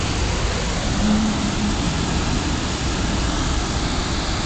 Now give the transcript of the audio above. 我啱啱先送咗佢走